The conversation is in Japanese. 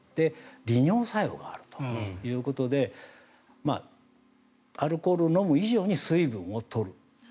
利尿作用があるということでアルコールを飲む以上に水分を取る。